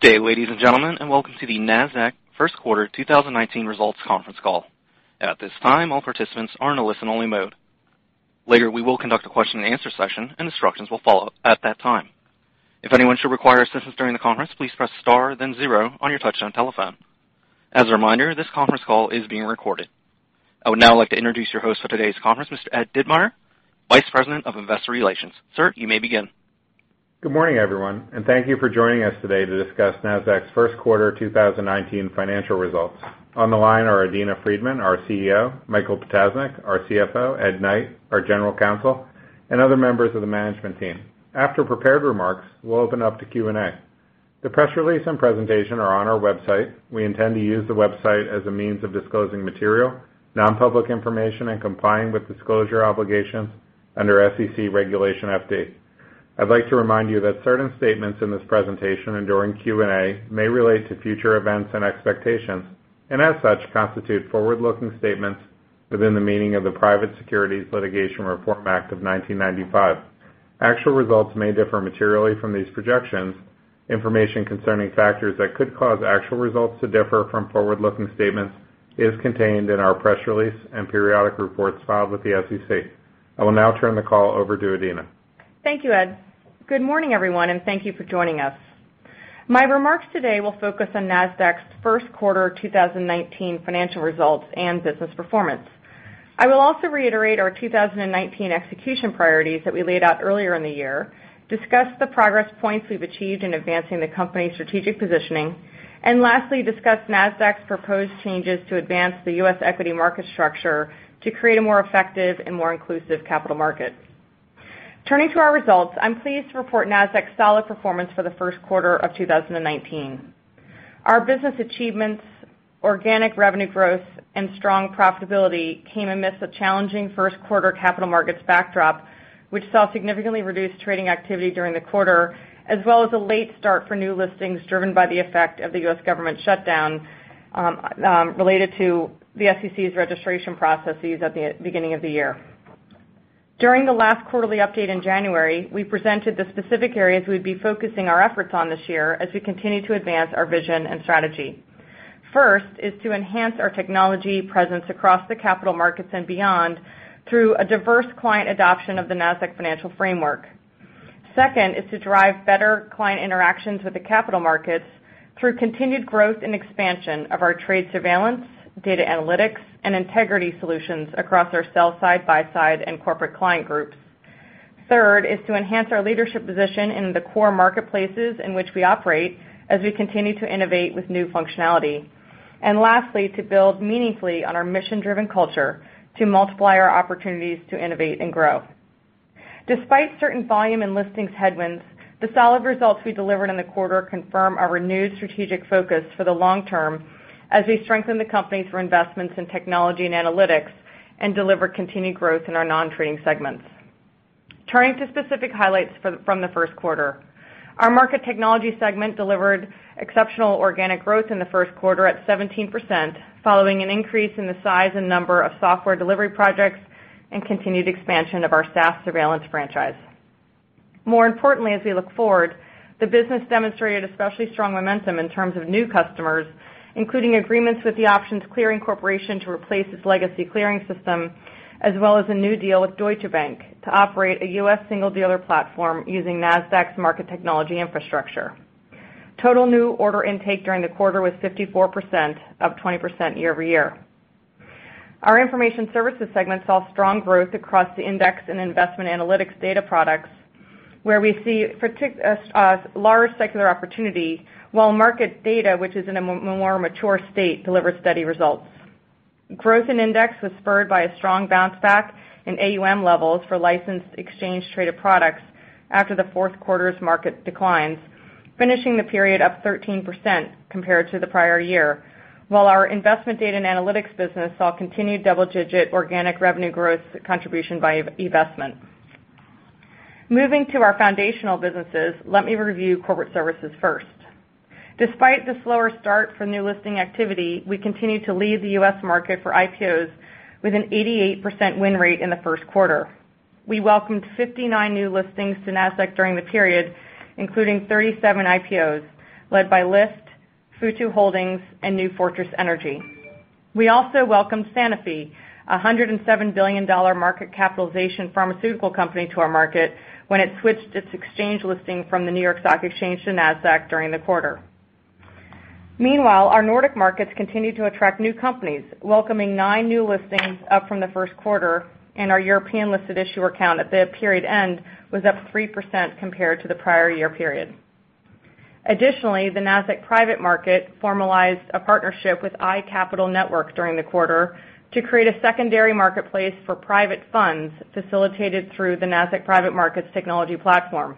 Good day, ladies and gentlemen, welcome to the Nasdaq Q1 2019 results conference call. At this time, all participants are in a listen-only mode. Later, we will conduct a question and answer session, instructions will follow at that time. If anyone should require assistance during the conference, please press star then zero on your touch-tone telephone. As a reminder, this conference call is being recorded. I would now like to introduce your host for today's conference, Mr. Ed Ditmire, Vice President of Investor Relations. Sir, you may begin. Good morning, everyone, thank you for joining us today to discuss Nasdaq's Q1 2019 financial results. On the line are Adena Friedman, our CEO; Michael Ptasznik, our CFO; Edward Knight, our General Counsel, and other members of the management team. After prepared remarks, we'll open up to Q&A. The press release and presentation are on our website. We intend to use the website as a means of disclosing material, non-public information, and complying with disclosure obligations under SEC Regulation FD. I'd like to remind you that certain statements in this presentation and during Q&A may relate to future events and expectations, as such, constitute forward-looking statements within the meaning of the Private Securities Litigation Reform Act of 1995. Actual results may differ materially from these projections. Information concerning factors that could cause actual results to differ from forward-looking statements is contained in our press release and periodic reports filed with the SEC. I will now turn the call over to Adena. Thank you, Ed. Good morning, everyone, thank you for joining us. My remarks today will focus on Nasdaq's Q1 2019 financial results and business performance. I will also reiterate our 2019 execution priorities that we laid out earlier in the year, discuss the progress points we've achieved in advancing the company's strategic positioning, lastly, discuss Nasdaq's proposed changes to advance the U.S. equity market structure to create a more effective and more inclusive capital market. Turning to our results, I'm pleased to report Nasdaq's solid performance for the Q1 of 2019. Our business achievements, organic revenue growth, and strong profitability came amidst a challenging Q1 capital markets backdrop, which saw significantly reduced trading activity during the quarter, as well as a late start for new listings driven by the effect of the U.S. government shutdown related to the SEC's registration processes at the beginning of the year. During the last quarterly update in January, we presented the specific areas we'd be focusing our efforts on this year as we continue to advance our vision and strategy. First is to enhance our technology presence across the capital markets and beyond through a diverse client adoption of the Nasdaq Financial Framework. Second is to drive better client interactions with the capital markets through continued growth and expansion of our trade surveillance, data analytics, and integrity solutions across our sell side, buy side, and corporate client groups. Third is to enhance our leadership position in the core marketplaces in which we operate as we continue to innovate with new functionality. Lastly, to build meaningfully on our mission-driven culture to multiply our opportunities to innovate and grow. Despite certain volume and listings headwinds, the solid results we delivered in the quarter confirm our renewed strategic focus for the long term as we strengthen the company through investments in technology and analytics and deliver continued growth in our non-trading segments. Turning to specific highlights from the Q1. Our market technology segment delivered exceptional organic growth in the Q1 at 17%, following an increase in the size and number of software delivery projects and continued expansion of our SaaS surveillance franchise. More importantly, as we look forward, the business demonstrated especially strong momentum in terms of new customers, including agreements with the Options Clearing Corporation to replace its legacy clearing system, as well as a new deal with Deutsche Bank to operate a U.S. single dealer platform using Nasdaq's market technology infrastructure. Total new order intake during the quarter was 54%, up 20% year-over-year. Our information services segment saw strong growth across the index and investment analytics data products, where we see a large secular opportunity, while market data, which is in a more mature state, delivers steady results. Growth in index was spurred by a strong bounce back in AUM levels for licensed exchange traded products after the Q4's market declines, finishing the period up 13% compared to the prior year. While our investment data and analytics business saw continued double-digit organic revenue growth contribution by eVestment. Moving to our foundational businesses, let me review corporate services first. Despite the slower start for new listing activity, we continue to lead the U.S. market for IPOs with an 88% win rate in the Q1. We welcomed 59 new listings to Nasdaq during the period, including 37 IPOs led by Lyft, Futu Holdings, and New Fortress Energy. We also welcomed Sanofi, a $107 billion market capitalization pharmaceutical company, to our market when it switched its exchange listing from the New York Stock Exchange to Nasdaq during the quarter. Meanwhile, our Nordic markets continued to attract new companies, welcoming nine new listings up from the Q1, and our European listed issuer count at the period end was up 3% compared to the prior year period. Additionally, the Nasdaq Private Market formalized a partnership with iCapital Network during the quarter to create a secondary marketplace for private funds facilitated through the Nasdaq Private Market technology platform.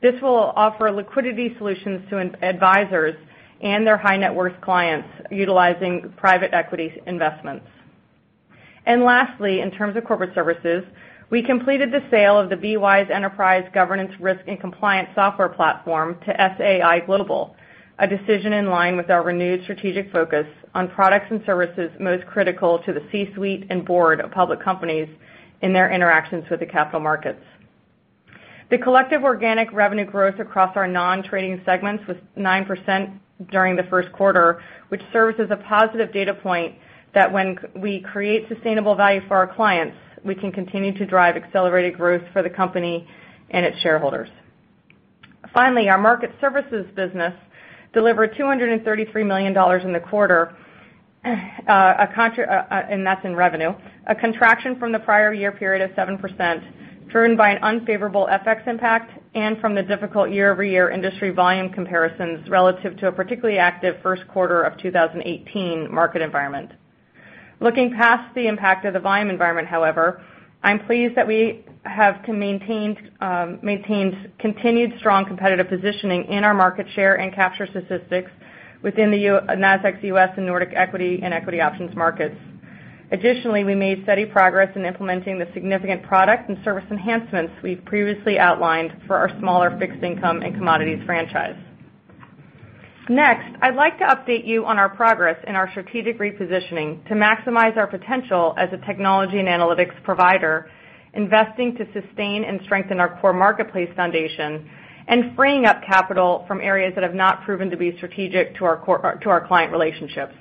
This will offer liquidity solutions to advisors and their high net worth clients utilizing private equity investments. Lastly, in terms of corporate services, we completed the sale of the BWise Enterprise Governance Risk and Compliance software platform to SAI Global. A decision in line with our renewed strategic focus on products and services most critical to the C-suite and board of public companies in their interactions with the capital markets. The collective organic revenue growth across our non-trading segments was 9% during the Q1, which serves as a positive data point that when we create sustainable value for our clients, we can continue to drive accelerated growth for the company and its shareholders. Finally, our market services business delivered $233 million in the quarter, and that's in revenue, a contraction from the prior year period of 7%, driven by an unfavorable FX impact and from the difficult year-over-year industry volume comparisons relative to a particularly active Q1 of 2018 market environment. Looking past the impact of the volume environment, however, I'm pleased that we have maintained continued strong competitive positioning in our market share and capture statistics within the Nasdaq U.S. and Nordic equity and equity options markets. Additionally, we made steady progress in implementing the significant product and service enhancements we've previously outlined for our smaller fixed income and commodities franchise. Next, I'd like to update you on our progress in our strategic repositioning to maximize our potential as a technology and analytics provider, investing to sustain and strengthen our core marketplace foundation, and freeing up capital from areas that have not proven to be strategic to our client relationships.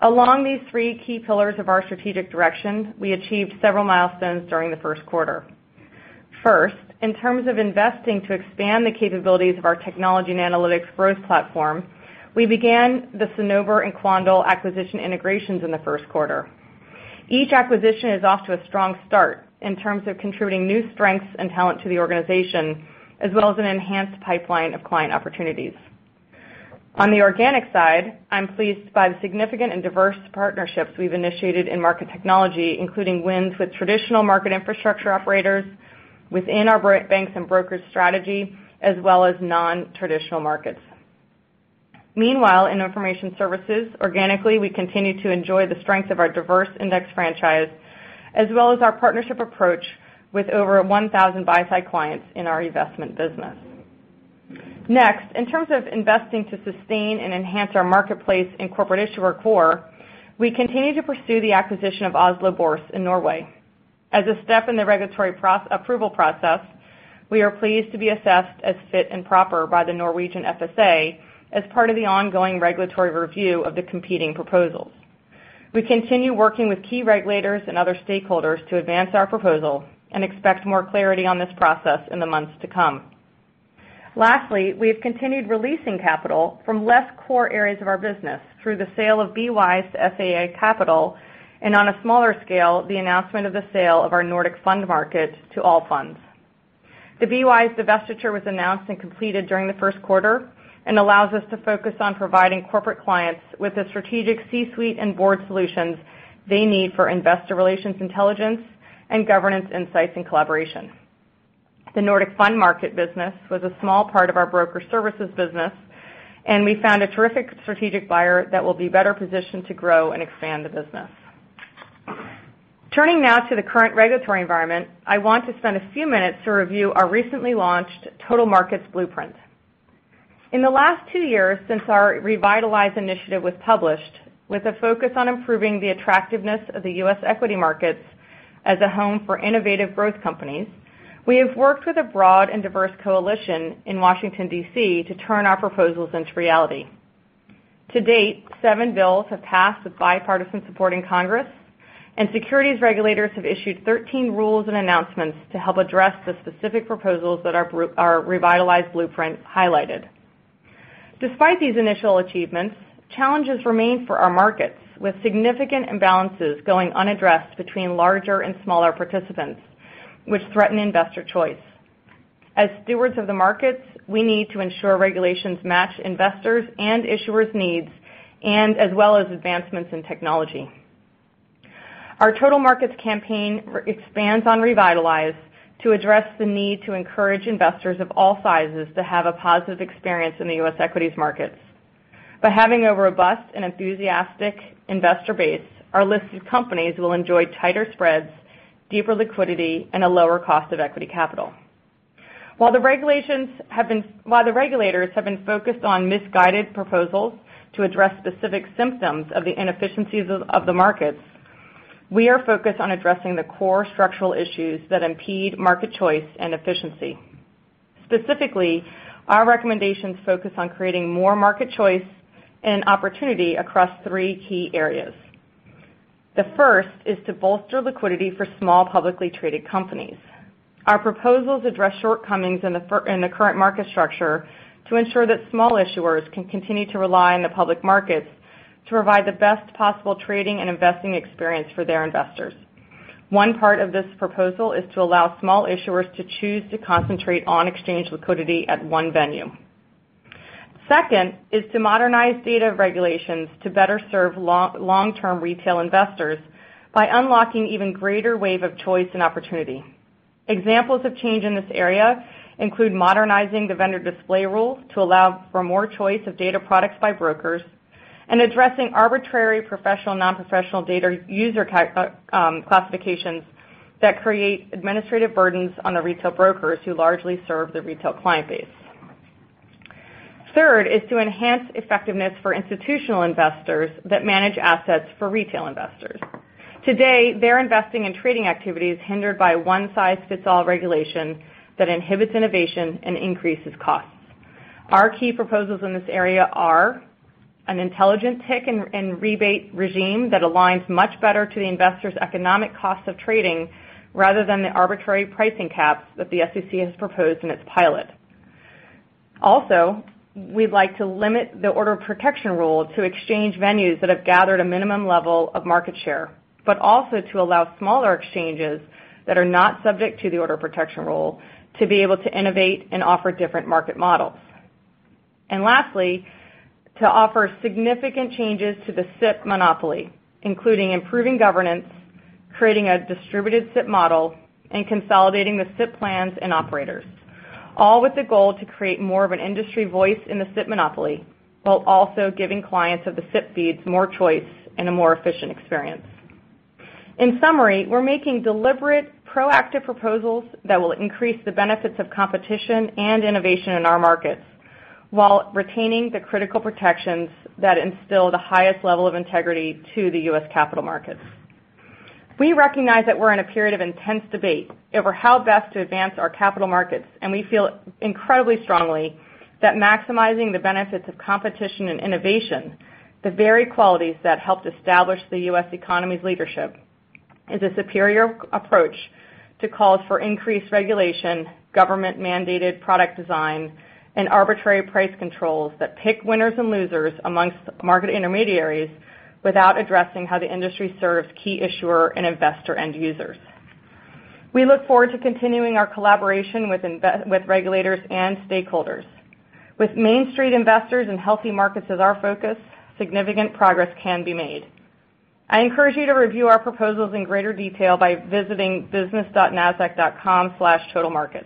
Along these three key pillars of our strategic direction, we achieved several milestones during the Q1. First, in terms of investing to expand the capabilities of our technology and analytics growth platform, we began the Cinnober and Quandl acquisition integrations in the Q1. Each acquisition is off to a strong start in terms of contributing new strengths and talent to the organization, as well as an enhanced pipeline of client opportunities. On the organic side, I'm pleased by the significant and diverse partnerships we've initiated in market technology, including wins with traditional market infrastructure operators within our banks and brokers strategy, as well as non-traditional markets. Meanwhile, in information services, organically, we continue to enjoy the strength of our diverse index franchise, as well as our partnership approach with over 1,000 buy-side clients in our investment business. Next, in terms of investing to sustain and enhance our marketplace and corporate issuer core, we continue to pursue the acquisition of Oslo Børs in Norway. As a step in the regulatory approval process, we are pleased to be assessed as fit and proper by the Norwegian FSA as part of the ongoing regulatory review of the competing proposals. We continue working with key regulators and other stakeholders to advance our proposal and expect more clarity on this process in the months to come. Lastly, we have continued releasing capital from less core areas of our business through the sale of BWise to SAI Global, and on a smaller scale, the announcement of the sale of our Nordic Fund Market to Allfunds. The BWise divestiture was announced and completed during the Q1 and allows us to focus on providing corporate clients with the strategic C-suite and board solutions they need for investor relations intelligence and governance insights and collaboration. The Nordic Fund Market business was a small part of our broker services business, and we found a terrific strategic buyer that will be better positioned to grow and expand the business. Turning now to the current regulatory environment, I want to spend a few minutes to review our recently launched Total Markets blueprint. In the last two years since our Revitalize initiative was published, with a focus on improving the attractiveness of the U.S. equity markets as a home for innovative growth companies, we have worked with a broad and diverse coalition in Washington, D.C., to turn our proposals into reality. To date, seven bills have passed with bipartisan support in Congress, and securities regulators have issued 13 rules and announcements to help address the specific proposals that our Revitalize blueprint highlighted. Despite these initial achievements, challenges remain for our markets, with significant imbalances going unaddressed between larger and smaller participants, which threaten investor choice. As stewards of the markets, we need to ensure regulations match investors' and issuers' needs and as well as advancements in technology. Our Total Markets campaign expands on Revitalize to address the need to encourage investors of all sizes to have a positive experience in the U.S. equities markets. By having a robust and enthusiastic investor base, our listed companies will enjoy tighter spreads, deeper liquidity, and a lower cost of equity capital. While the regulators have been focused on misguided proposals to address specific symptoms of the inefficiencies of the markets, we are focused on addressing the core structural issues that impede market choice and efficiency. Specifically, our recommendations focus on creating more market choice and opportunity across three key areas. The first is to bolster liquidity for small publicly traded companies. Our proposals address shortcomings in the current market structure to ensure that small issuers can continue to rely on the public markets to provide the best possible trading and investing experience for their investors. One part of this proposal is to allow small issuers to choose to concentrate on exchange liquidity at one venue. Second is to modernize data regulations to better serve long-term retail investors by unlocking even greater wave of choice and opportunity. Examples of change in this area include modernizing the Vendor Display Rule to allow for more choice of data products by brokers. Addressing arbitrary professional, non-professional data user classifications that create administrative burdens on the retail brokers who largely serve the retail client base. Third is to enhance effectiveness for institutional investors that manage assets for retail investors. Today, their investing and trading activity is hindered by one-size-fits-all regulation that inhibits innovation and increases costs. Our key proposals in this area are an intelligent tick and rebate regime that aligns much better to the investor's economic cost of trading rather than the arbitrary pricing caps that the SEC has proposed in its pilot. Also, we'd like to limit the Order Protection Rule to exchange venues that have gathered a minimum level of market share, but also to allow smaller exchanges that are not subject to the Order Protection Rule to be able to innovate and offer different market models. Lastly, to offer significant changes to the SIP monopoly, including improving governance, creating a distributed SIP model, and consolidating the SIP plans and operators, all with the goal to create more of an industry voice in the SIP monopoly, while also giving clients of the SIP feeds more choice and a more efficient experience. In summary, we're making deliberate, proactive proposals that will increase the benefits of competition and innovation in our markets while retaining the critical protections that instill the highest level of integrity to the U.S. capital markets. We recognize that we're in a period of intense debate over how best to advance our capital markets, and we feel incredibly strongly that maximizing the benefits of competition and innovation, the very qualities that helped establish the U.S. economy's leadership, is a superior approach to calls for increased regulation, government-mandated product design, and arbitrary price controls that pick winners and losers amongst market intermediaries without addressing how the industry serves key issuer and investor end users. We look forward to continuing our collaboration with regulators and stakeholders. With Main Street investors and healthy markets as our focus, significant progress can be made. I encourage you to review our proposals in greater detail by visiting business.nasdaq.com/totalmarkets.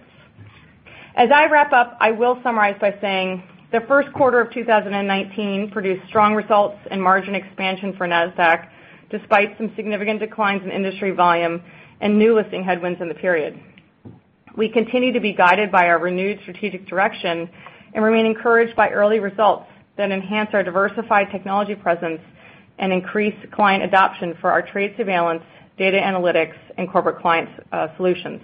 As I wrap up, I will summarize by saying the Q1 of 2019 produced strong results and margin expansion for Nasdaq despite some significant declines in industry volume and new listing headwinds in the period. We continue to be guided by our renewed strategic direction and remain encouraged by early results that enhance our diversified technology presence and increase client adoption for our trade surveillance, data analytics, and corporate clients solutions.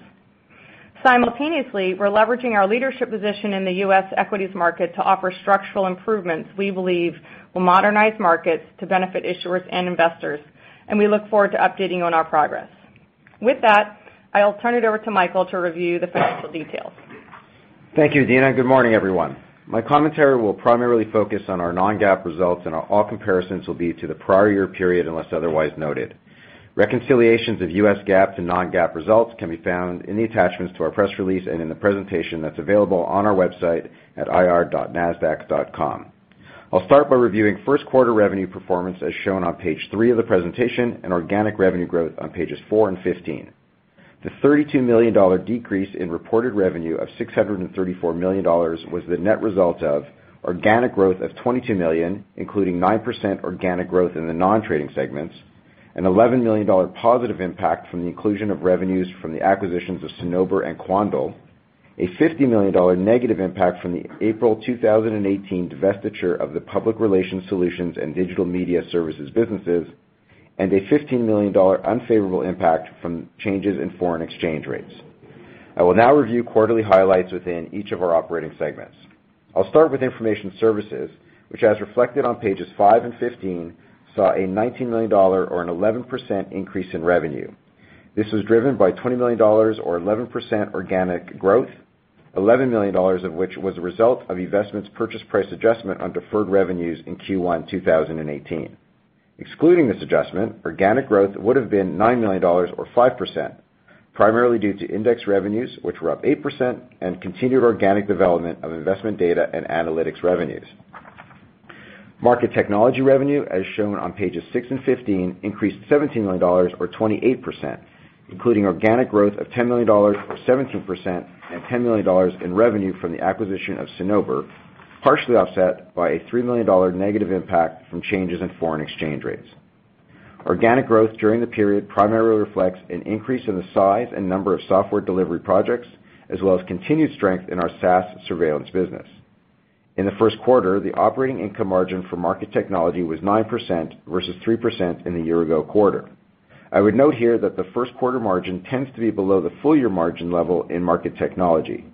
Simultaneously, we're leveraging our leadership position in the U.S. equities market to offer structural improvements we believe will modernize markets to benefit issuers and investors, and we look forward to updating you on our progress. With that, I'll turn it over to Michael to review the financial details. Thank you, Adena. Good morning, everyone. My commentary will primarily focus on our non-GAAP results, and all comparisons will be to the prior year period unless otherwise noted. Reconciliations of U.S. GAAP to non-GAAP results can be found in the attachments to our press release and in the presentation that's available on our website at ir.nasdaq.com. I'll start by reviewing Q1 revenue performance as shown on page three of the presentation and organic revenue growth on pages four and 15. The $32 million decrease in reported revenue of $634 million was the net result of organic growth of $22 million, including 9% organic growth in the non-trading segments, an $11 million positive impact from the inclusion of revenues from the acquisitions of Cinnober and Quandl, a $50 million negative impact from the April 2018 divestiture of the Public Relations Solutions and Digital Media Services businesses, and a $15 million unfavorable impact from changes in foreign exchange rates. I will now review quarterly highlights within each of our operating segments. I'll start with information services, which as reflected on pages five and 15, saw a $19 million or an 11% increase in revenue. This was driven by $20 million or 11% organic growth, $11 million of which was a result of investments purchase price adjustment on deferred revenues in Q1 2018. Excluding this adjustment, organic growth would have been $9 million or 5%, primarily due to index revenues, which were up 8%, and continued organic development of investment data and analytics revenues. Market technology revenue, as shown on pages six and 15, increased to $17 million, or 28%, including organic growth of $10 million or 17% and $10 million in revenue from the acquisition of Cinnober, partially offset by a $3 million negative impact from changes in foreign exchange rates. Organic growth during the period primarily reflects an increase in the size and number of software delivery projects, as well as continued strength in our SaaS surveillance business. In the Q1, the operating income margin for market technology was 9% versus 3% in the year ago quarter. I would note here that the Q1 margin tends to be below the full year margin level in market technology.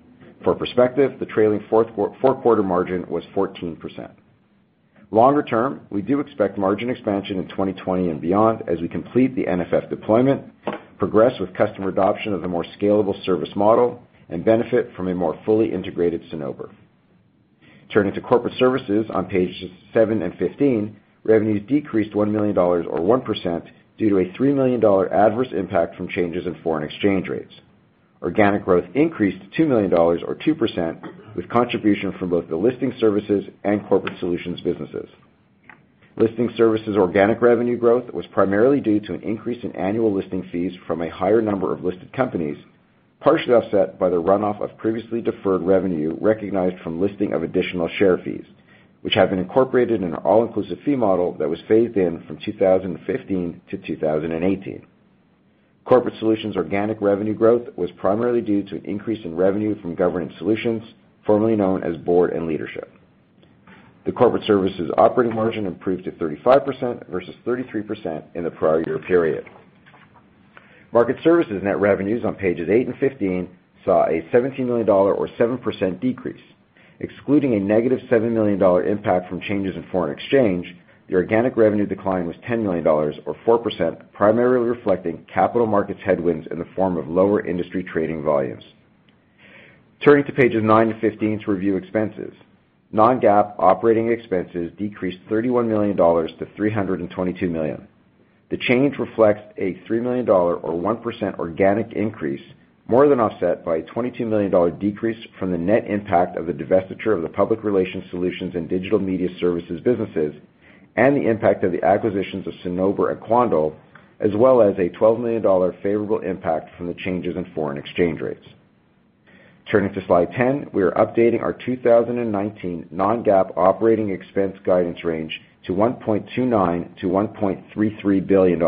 For perspective, the trailing four-quarter margin was 14%. Longer term, we do expect margin expansion in 2020 and beyond as we complete the NFF deployment, progress with customer adoption of the more scalable service model, and benefit from a more fully integrated Cinnober. Corporate services on pages seven and 15, revenues decreased $1 million or 1% due to a $3 million adverse impact from changes in foreign exchange rates. Organic growth increased to $2 million or 2% with contribution from both the listing services and corporate solutions businesses. Listing services organic revenue growth was primarily due to an increase in annual listing fees from a higher number of listed companies. Partially offset by the runoff of previously deferred revenue recognized from listing of additional share fees, which have been incorporated in our all-inclusive fee model that was phased in from 2015 to 2018. Corporate Solutions organic revenue growth was primarily due to an increase in revenue from Governance Solutions, formerly known as Board and Leadership. The corporate services operating margin improved to 35% versus 33% in the prior year period. Market Services net revenues on pages eight and 15 saw a $17 million or 7% decrease. Excluding a negative $7 million impact from changes in foreign exchange, the organic revenue decline was $10 million or 4%, primarily reflecting capital markets headwinds in the form of lower industry trading volumes. Pages nine to 15 to review expenses. Non-GAAP operating expenses decreased $31 million to $322 million. The change reflects a $3 million or 1% organic increase, more than offset by a $22 million decrease from the net impact of the divestiture of the Public Relations Solutions and Digital Media Services businesses and the impact of the acquisitions of Cinnober and Quandl, as well as a $12 million favorable impact from the changes in foreign exchange rates. Turning to slide 10, we are updating our 2019 non-GAAP operating expense guidance range to $1.29 billion-$1.33 billion,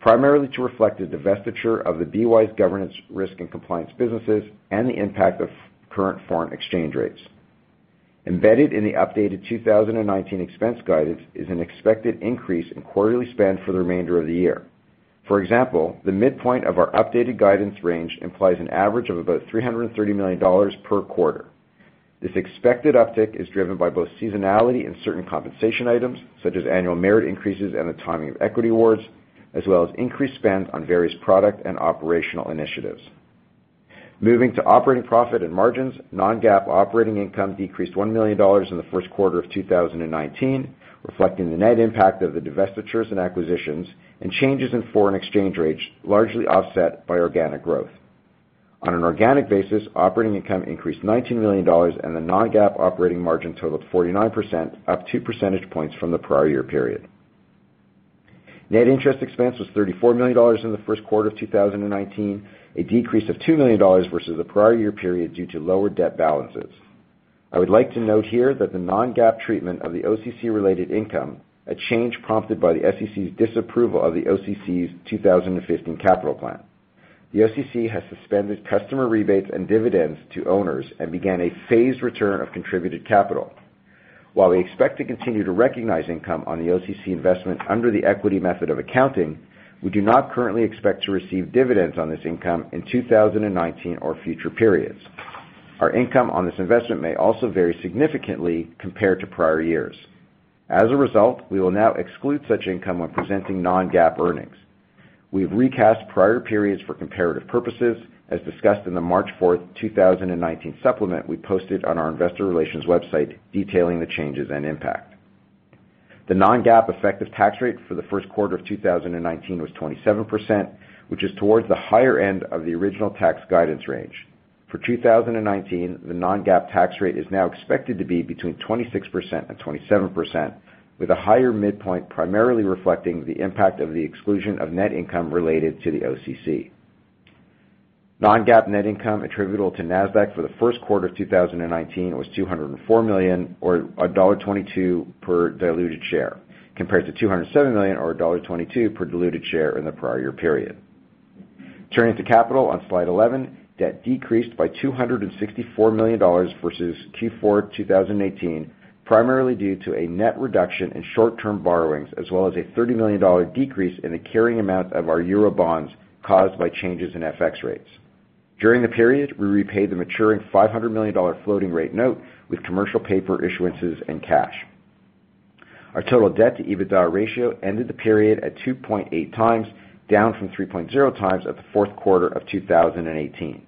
primarily to reflect the divestiture of the BWise governance, risk, and compliance businesses and the impact of current foreign exchange rates. Embedded in the updated 2019 expense guidance is an expected increase in quarterly spend for the remainder of the year. For example, the midpoint of our updated guidance range implies an average of about $330 million per quarter. This expected uptick is driven by both seasonality and certain compensation items, such as annual merit increases and the timing of equity awards, as well as increased spend on various product and operational initiatives. Moving to operating profit and margins, non-GAAP operating income decreased $1 million in the Q1 of 2019, reflecting the net impact of the divestitures and acquisitions and changes in foreign exchange rates, largely offset by organic growth. On an organic basis, operating income increased $19 million and the non-GAAP operating margin totaled 49%, up two percentage points from the prior year period. Net interest expense was $34 million in the Q1 of 2019, a decrease of $2 million versus the prior year period due to lower debt balances. I would like to note here that the non-GAAP treatment of the OCC-related income, a change prompted by the SEC's disapproval of the OCC's 2015 capital plan. The OCC has suspended customer rebates and dividends to owners and began a phased return of contributed capital. While we expect to continue to recognize income on the OCC investment under the equity method of accounting, we do not currently expect to receive dividends on this income in 2019 or future periods. Our income on this investment may also vary significantly compared to prior years. As a result, we will now exclude such income when presenting non-GAAP earnings. We have recast prior periods for comparative purposes, as discussed in the March 4th, 2019 supplement we posted on our investor relations website detailing the changes and impact. The non-GAAP effective tax rate for the Q1 of 2019 was 27%, which is towards the higher end of the original tax guidance range. For 2019, the non-GAAP tax rate is now expected to be between 26% and 27%, with a higher midpoint primarily reflecting the impact of the exclusion of net income related to the OCC. Non-GAAP net income attributable to Nasdaq for the Q1 of 2019 was $204 million, or $1.22 per diluted share, compared to $207 million or $1.22 per diluted share in the prior year period. Turning to capital on slide 11, debt decreased by $264 million versus Q4 2018, primarily due to a net reduction in short-term borrowings, as well as a $30 million decrease in the carrying amount of our euro bonds caused by changes in FX rates. During the period, we repaid the maturing $500 million floating rate note with commercial paper issuances and cash. Our total debt to EBITDA ratio ended the period at 2.8 times, down from 3.0 times at the Q4 of 2018.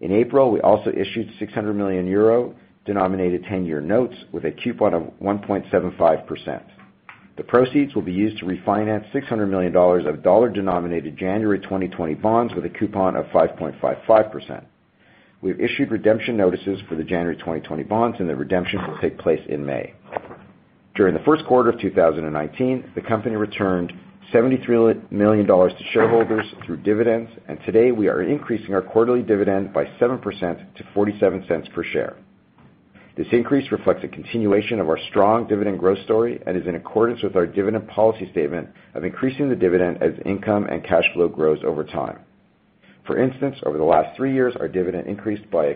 In April, we also issued €600 million denominated 10-year notes with a coupon of 1.75%. The proceeds will be used to refinance $600 million of dollar-denominated January 2020 bonds with a coupon of 5.55%. We have issued redemption notices for the January 2020 bonds, and their redemption will take place in May. During the Q1 of 2019, the company returned $73 million to shareholders through dividends, and today we are increasing our quarterly dividend by 7% to $0.47 per share. This increase reflects a continuation of our strong dividend growth story and is in accordance with our dividend policy statement of increasing the dividend as income and cash flow grows over time. For instance, over the last three years, our dividend increased by a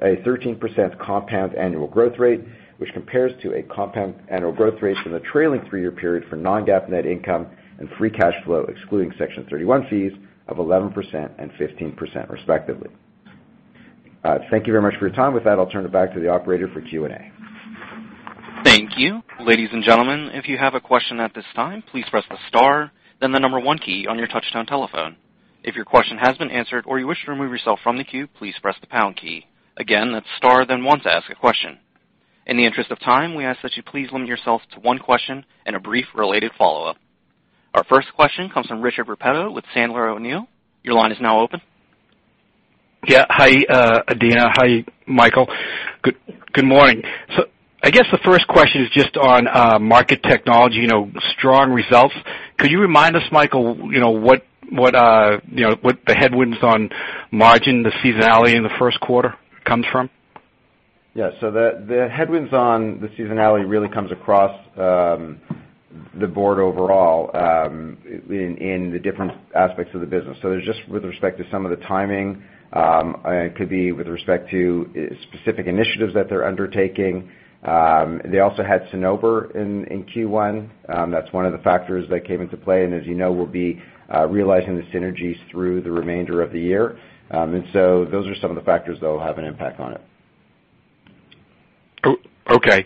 13% compound annual growth rate, which compares to a compound annual growth rate in the trailing three-year period for non-GAAP net income and free cash flow, excluding Section 31 fees of 11% and 15% respectively. Thank you very much for your time. With that, I'll turn it back to the operator for Q&A. Thank you. Ladies and gentlemen, if you have a question at this time, please press the star then the number one key on your touch-tone telephone. If your question has been answered or you wish to remove yourself from the queue, please press the pound key. Again, that's star then one to ask a question. In the interest of time, we ask that you please limit yourself to one question and a brief related follow-up. Our first question comes from Richard Repetto with Sandler O'Neill. Your line is now open. Yeah. Hi, Adena. Hi, Michael. Good morning. I guess the first question is just on market technology, strong results. Could you remind us, Michael, what the headwinds on margin, the seasonality in the Q1 comes from? The headwinds on the seasonality really comes across the board overall in the different aspects of the business. There's just with respect to some of the timing, and it could be with respect to specific initiatives that they're undertaking. They also had Cinnober in Q1. That's one of the factors that came into play, and as you know, we'll be realizing the synergies through the remainder of the year. Those are some of the factors that will have an impact on it. Okay.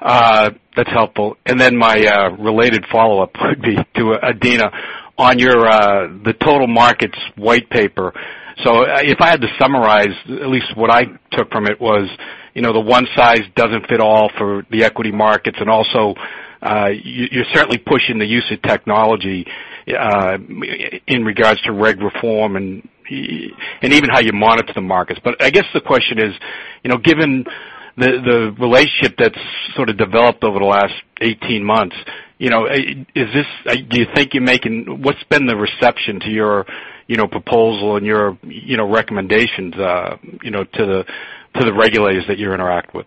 That's helpful. My related follow-up would be to Adena on the Total Markets white paper. If I had to summarize, at least what I took from it was the one size doesn't fit all for the equity markets, and also you're certainly pushing the use of technology in regards to reg reform and even how you monitor the markets. I guess the question is: given the relationship that's sort of developed over the last 18 months, what's been the reception to your proposal and your recommendations to the regulators that you interact with?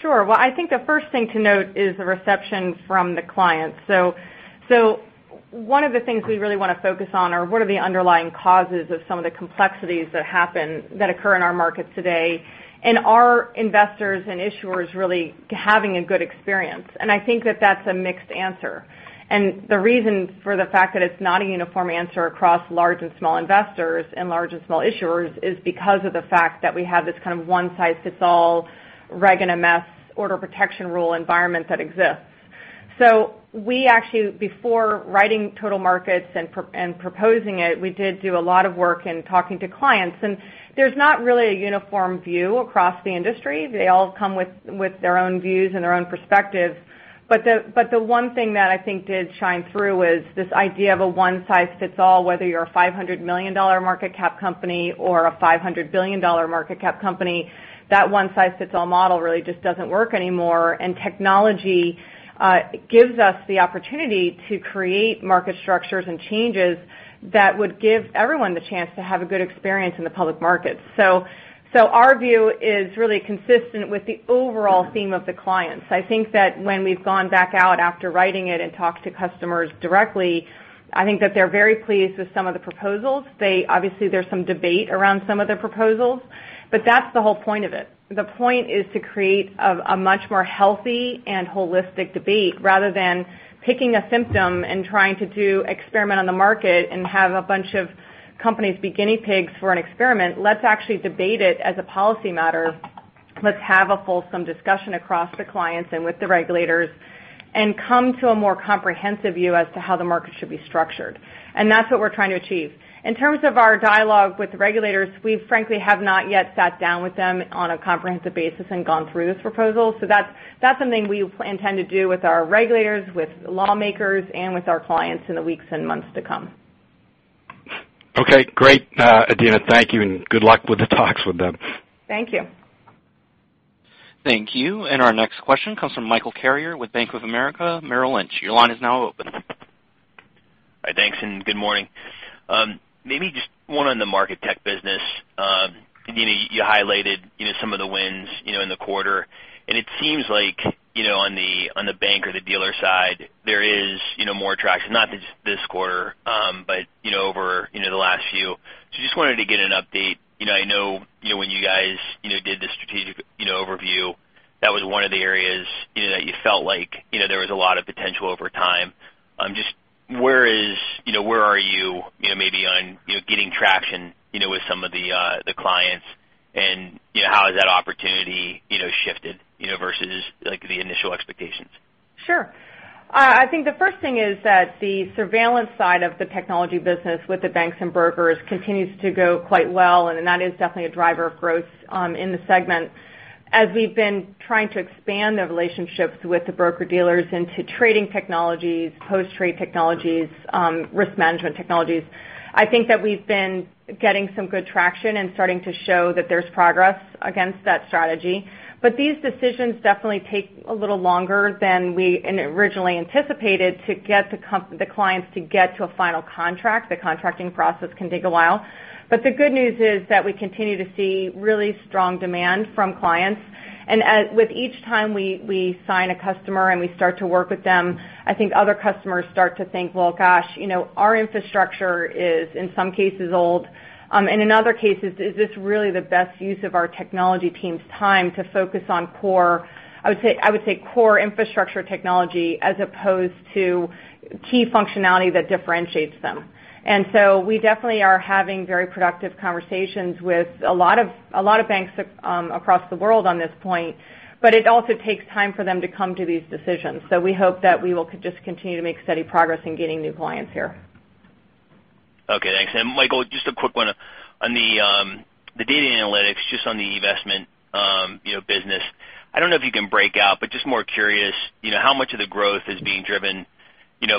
Sure. I think the first thing to note is the reception from the clients. One of the things we really want to focus on are what are the underlying causes of some of the complexities that occur in our markets today, and are investors and issuers really having a good experience? I think that that's a mixed answer. The reason for the fact that it's not a uniform answer across large and small investors and large and small issuers is because of the fact that we have this kind of one-size-fits-all Regulation NMS Order Protection Rule environment that exists. We actually, before writing Total Markets and proposing it, we did do a lot of work in talking to clients, and there's not really a uniform view across the industry. They all come with their own views and their own perspectives. The one thing that I think did shine through is this idea of a one size fits all, whether you're a $500 million market cap company or a $500 billion market cap company, that one size fits all model really just doesn't work anymore. Technology gives us the opportunity to create market structures and changes that would give everyone the chance to have a good experience in the public markets. Our view is really consistent with the overall theme of the clients. I think that when we've gone back out after writing it and talked to customers directly, I think that they're very pleased with some of the proposals. Obviously, there's some debate around some of the proposals, but that's the whole point of it. The point is to create a much more healthy and holistic debate rather than picking a symptom and trying to do experiment on the market and have a bunch of companies be guinea pigs for an experiment. Let's actually debate it as a policy matter. Let's have a fulsome discussion across the clients and with the regulators and come to a more comprehensive view as to how the market should be structured. That's what we're trying to achieve. In terms of our dialogue with the regulators, we frankly have not yet sat down with them on a comprehensive basis and gone through this proposal. That's something we intend to do with our regulators, with lawmakers, and with our clients in the weeks and months to come. Okay. Great, Adena. Thank you, and good luck with the talks with them. Thank you. Thank you. Our next question comes from Michael Carrier with Bank of America Merrill Lynch. Your line is now open. Hi, thanks, and good morning. Maybe just one on the market tech business. Adena, you highlighted some of the wins in the quarter. It seems like on the bank or the dealer side, there is more traction, not just this quarter, but over the last few. Just wanted to get an update. I know when you guys did the strategic overview, that was one of the areas that you felt like there was a lot of potential over time. Where are you maybe on getting traction with some of the clients, and how has that opportunity shifted versus the initial expectations? Sure. I think the first thing is that the surveillance side of the technology business with the banks and brokers continues to go quite well, and that is definitely a driver of growth in the segment. As we've been trying to expand the relationships with the broker-dealers into trading technologies, post-trade technologies, risk management technologies, I think that we've been getting some good traction and starting to show that there's progress against that strategy. These decisions definitely take a little longer than we originally anticipated to get the clients to get to a final contract. The contracting process can take a while. The good news is that we continue to see really strong demand from clients. With each time we sign a customer and we start to work with them, I think other customers start to think, "Well, gosh, our infrastructure is, in some cases, old. In other cases, is this really the best use of our technology team's time to focus on core infrastructure technology as opposed to key functionality that differentiates them?" We definitely are having very productive conversations with a lot of banks across the world on this point, but it also takes time for them to come to these decisions. We hope that we will just continue to make steady progress in getting new clients here. Okay, thanks. Michael, just a quick one on the data analytics, just on the investment business. I don't know if you can break out, but just more curious, how much of the growth is being driven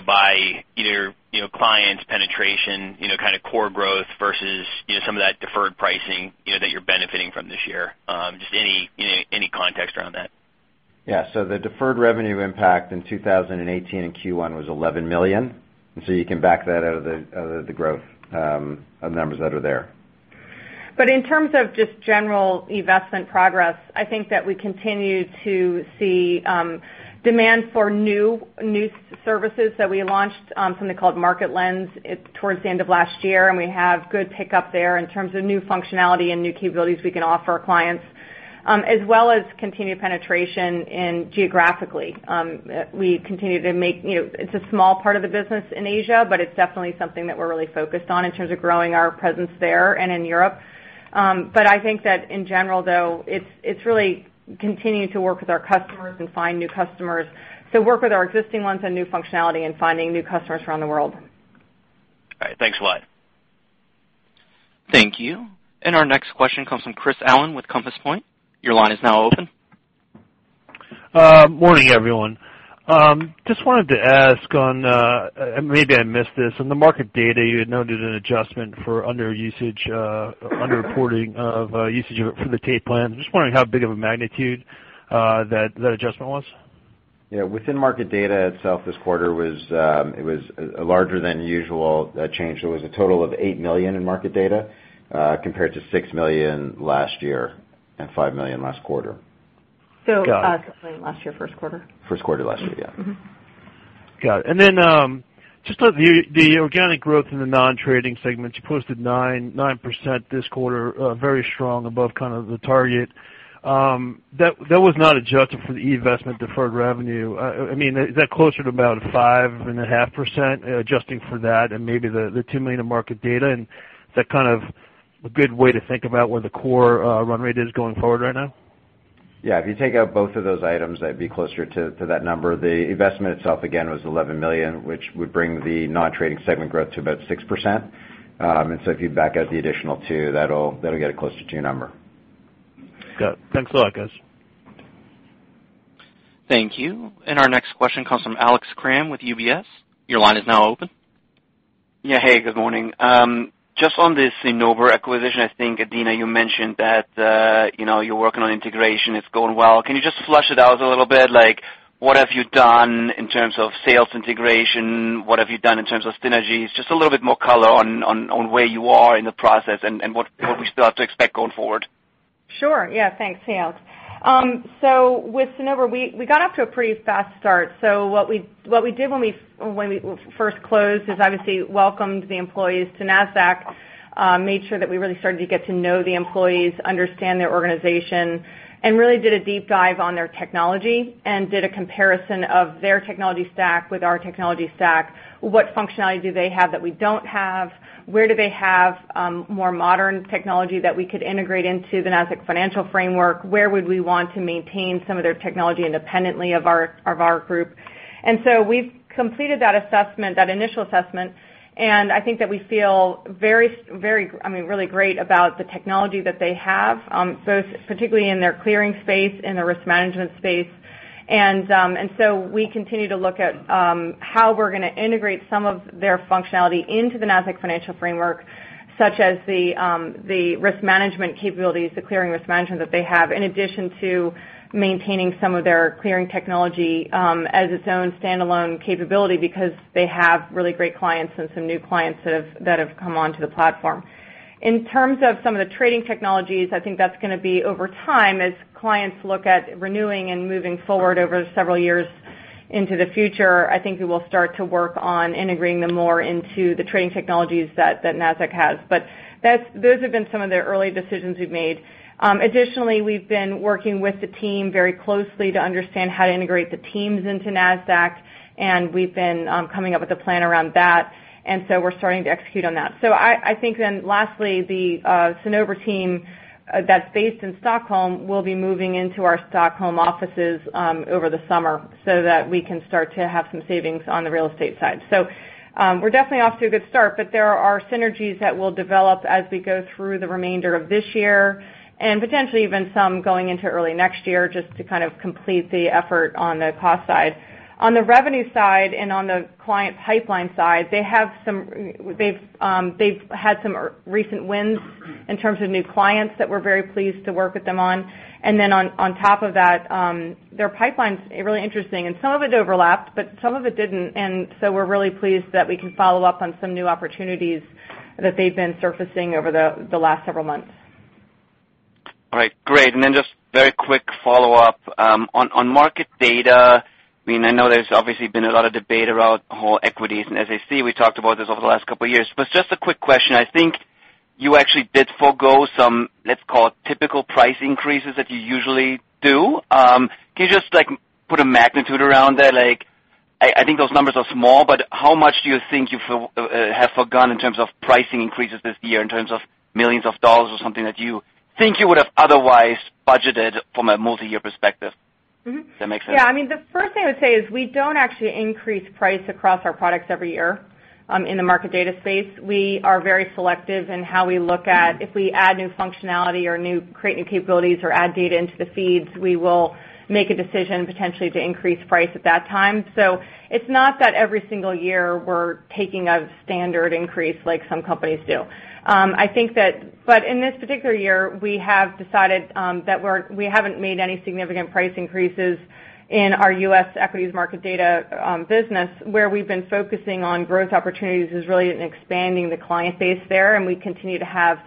by either clients penetration, kind of core growth versus some of that deferred pricing that you're benefiting from this year. Just any context around that? The deferred revenue impact in 2018 in Q1 was $11 million. You can back that out of the growth of numbers that are there. In terms of just general investment progress, I think that we continue to see demand for new services that we launched, something called Market Lens, towards the end of last year. We have good pickup there in terms of new functionality and new capabilities we can offer our clients. As well as continued penetration geographically. It's a small part of the business in Asia, but it's definitely something that we're really focused on in terms of growing our presence there and in Europe. I think that in general, though, it's really continuing to work with our customers and find new customers to work with our existing ones and new functionality and finding new customers around the world. All right. Thanks a lot. Thank you. Our next question comes from Chris Allen with Compass Point. Your line is now open. Morning, everyone. Just wanted to ask on, maybe I missed this. On the market data, you had noted an adjustment for under usage, under-reporting of usage of it for the tape plan. Just wondering how big of a magnitude that adjustment was. Yeah. Within market data itself this quarter it was a larger than usual change. There was a total of $8 million in market data, compared to $6 million last year and $5 million last quarter. Last year, Q1. Q1 last year, yeah. Got it. Just on the organic growth in the non-trading segments, you posted 9% this quarter, very strong above kind of the target. That was not adjusted for the eVestment deferred revenue. Is that closer to about 5.5% adjusting for that and maybe the $2 million of market data? Is that kind of a good way to think about where the core run rate is going forward right now? Yeah. If you take out both of those items, that'd be closer to that number. The investment itself again was $11 million, which would bring the non-trading segment growth to about 6%. If you back out the additional two, that'll get it closer to your number. Got it. Thanks a lot, guys. Thank you. Our next question comes from Alex Kramm with UBS. Your line is now open. Yeah. Hey, good morning. Just on this Cinnober acquisition, I think Adena, you mentioned that you're working on integration, it's going well. Can you just flesh it out a little bit? What have you done in terms of sales integration? What have you done in terms of synergies? Just a little bit more color on where you are in the process and what we still have to expect going forward. Sure. Yeah, thanks Alex. With Cinnober, we got off to a pretty fast start. What we did when we first closed is obviously welcomed the employees to Nasdaq, made sure that we really started to get to know the employees, understand their organization, and really did a deep dive on their technology and did a comparison of their technology stack with our technology stack. What functionality do they have that we don't have? Where do they have more modern technology that we could integrate into the Nasdaq Financial Framework? Where would we want to maintain some of their technology independently of our group? We've completed that initial assessment, and I think that we feel really great about the technology that they have, both particularly in their clearing space, in the risk management space. We continue to look at how we're going to integrate some of their functionality into the Nasdaq Financial Framework, such as the risk management capabilities, the clearing risk management that they have, in addition to maintaining some of their clearing technology as its own standalone capability because they have really great clients and some new clients that have come onto the platform. In terms of some of the trading technologies, I think that's going to be over time as clients look at renewing and moving forward over several years into the future. I think we will start to work on integrating them more into the trading technologies that Nasdaq has. Those have been some of the early decisions we've made. Additionally, we've been working with the team very closely to understand how to integrate the teams into Nasdaq, and we've been coming up with a plan around that. We're starting to execute on that. I think then lastly, the Cinnober team that's based in Stockholm will be moving into our Stockholm offices over the summer so that we can start to have some savings on the real estate side. We're definitely off to a good start, but there are synergies that will develop as we go through the remainder of this year, and potentially even some going into early next year just to kind of complete the effort on the cost side. On the revenue side and on the client pipeline side, they've had some recent wins in terms of new clients that we're very pleased to work with them on. On top of that, their pipeline's really interesting and some of it overlapped, but some of it didn't. We're really pleased that we can follow up on some new opportunities that they've been surfacing over the last several months. All right, great. Just very quick follow-up. On market data, I know there's obviously been a lot of debate around whole equities and SAC, we talked about this over the last couple of years. Just a quick question. I think you actually did forgo some, let's call it typical price increases that you usually do. Can you just put a magnitude around that? I think those numbers are small, but how much do you think you have forgone in terms of pricing increases this year in terms of millions of dollars or something that you think you would have otherwise budgeted from a multi-year perspective? Does that make sense? Yeah. The first thing I would say is we don't actually increase price across our products every year. In the market data space, we are very selective in how we look at if we add new functionality or create new capabilities or add data into the feeds, we will make a decision potentially to increase price at that time. It's not that every single year we're taking a standard increase like some companies do. In this particular year, we have decided that we haven't made any significant price increases in our U.S. equities market data business. Where we've been focusing on growth opportunities is really in expanding the client base there, and we continue to have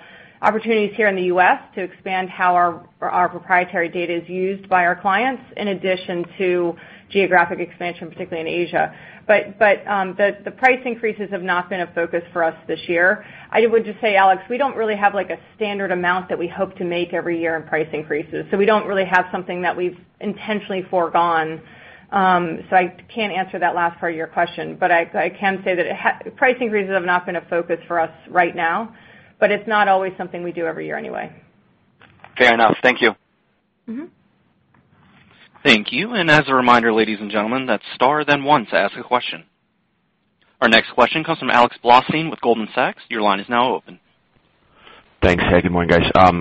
opportunities here in the U.S. to expand how our proprietary data is used by our clients, in addition to geographic expansion, particularly in Asia. The price increases have not been a focus for us this year. I would just say, Alex, we don't really have a standard amount that we hope to make every year in price increases. We don't really have something that we've intentionally forgone. I can't answer that last part of your question, I can say that price increases have not been a focus for us right now, but it's not always something we do every year anyway. Fair enough. Thank you. Thank you. As a reminder, ladies and gentlemen, that's star and one to ask a question. Our next question comes from Alexander Blostein with Goldman Sachs. Your line is now open. Thanks. Hey, good morning, guys.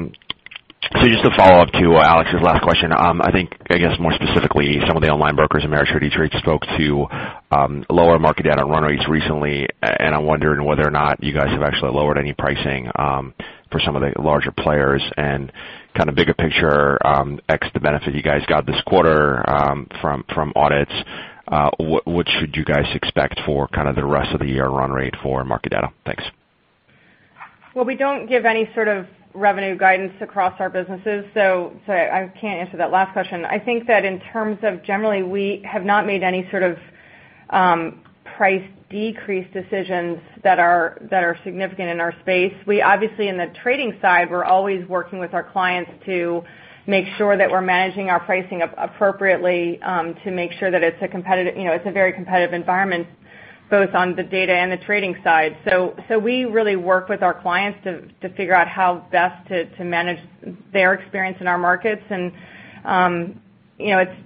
Just to follow up to Alex's last question. I think, I guess more specifically, some of the online brokers, Ameritrade, E*TRADE spoke to lower market data run rates recently, I'm wondering whether or not you guys have actually lowered any pricing for some of the larger players. Kind of bigger picture, ex the benefit you guys got this quarter from audits, what should you guys expect for kind of the rest of the year run rate for market data? Thanks. Well, we don't give any sort of revenue guidance across our businesses, I can't answer that last question. I think that in terms of generally, we have not made any sort of price decrease decisions that are significant in our space. We obviously, in the trading side, we're always working with our clients to make sure that we're managing our pricing appropriately, to make sure that it's a very competitive environment, both on the data and the trading side. We really work with our clients to figure out how best to manage their experience in our markets. It's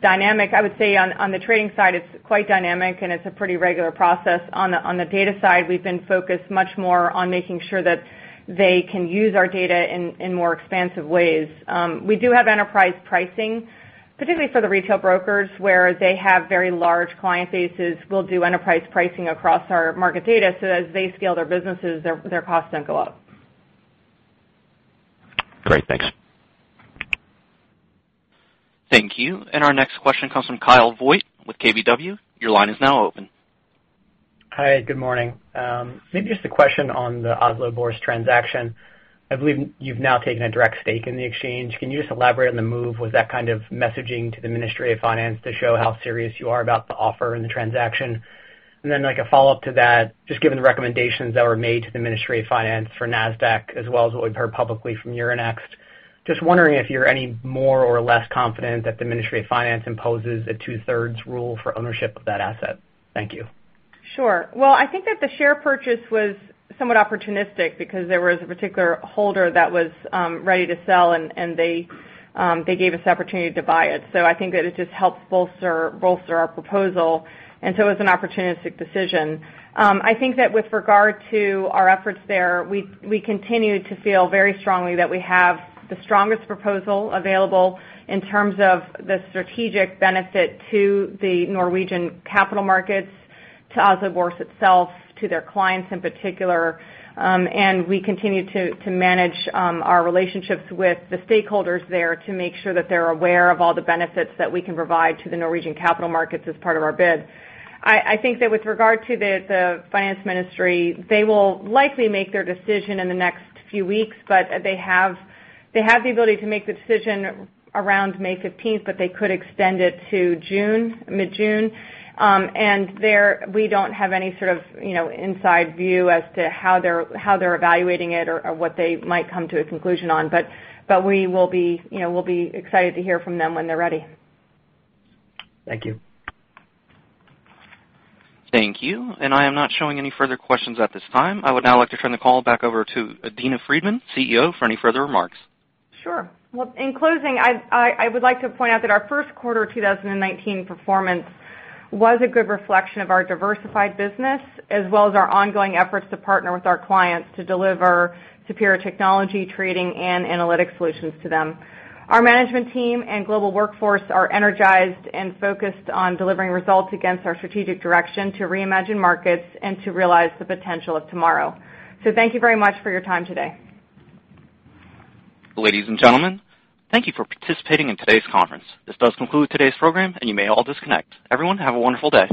dynamic. I would say on the trading side, it's quite dynamic, and it's a pretty regular process. On the data side, we've been focused much more on making sure that they can use our data in more expansive ways. We do have enterprise pricing, particularly for the retail brokers, where they have very large client bases. We'll do enterprise pricing across our market data, so as they scale their businesses, their costs don't go up. Great. Thanks. Thank you. Our next question comes from Kyle Voigt with KBW. Your line is now open. Hi. Good morning. Maybe just a question on the Oslo Børs transaction. I believe you've now taken a direct stake in the exchange. Can you just elaborate on the move? Was that kind of messaging to the Ministry of Finance to show how serious you are about the offer and the transaction? Then a follow-up to that, just given the recommendations that were made to the Ministry of Finance for Nasdaq, as well as what we've heard publicly from Euronext, just wondering if you're any more or less confident that the Ministry of Finance imposes a two-thirds rule for ownership of that asset. Thank you. Well, I think that the share purchase was somewhat opportunistic because there was a particular holder that was ready to sell, and they gave us the opportunity to buy it. I think that it just helped bolster our proposal, it was an opportunistic decision. I think that with regard to our efforts there, we continue to feel very strongly that we have the strongest proposal available in terms of the strategic benefit to the Norwegian capital markets, to Oslo Børs itself, to their clients in particular. We continue to manage our relationships with the stakeholders there to make sure that they're aware of all the benefits that we can provide to the Norwegian capital markets as part of our bid. I think that with regard to the Finance Ministry, they will likely make their decision in the next few weeks. They have the ability to make the decision around 15 May, they could extend it to mid-June. We don't have any sort of inside view as to how they're evaluating it or what they might come to a conclusion on. We'll be excited to hear from them when they're ready. Thank you. Thank you. I am not showing any further questions at this time. I would now like to turn the call back over to Adena Friedman, CEO, for any further remarks. Sure. Well, in closing, I would like to point out that our Q1 2019 performance was a good reflection of our diversified business, as well as our ongoing efforts to partner with our clients to deliver superior technology, trading, and analytics solutions to them. Our management team and global workforce are energized and focused on delivering results against our strategic direction to reimagine markets and to realize the potential of tomorrow. Thank you very much for your time today. Ladies and gentlemen, thank you for participating in today's conference. This does conclude today's program, and you may all disconnect. Everyone, have a wonderful day.